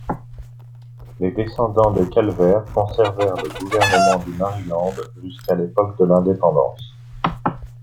Les descendants des Calvert conservèrent le gouvernement du Maryland jusqu'à l'époque de l'indépendance.